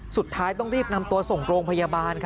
สุดท้ายต้องรีบนำตัวส่งโรงพยาบาล